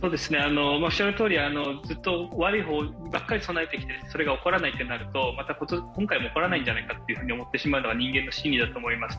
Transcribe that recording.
ずっと悪い方ばかり備えてきてそれが起こらないと今回も起こらないんじゃないかと思ってしまうのが人間の心理だと思います。